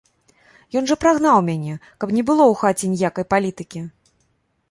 Ён жа прагнаў мяне, каб не было ў хаце ніякай палітыкі!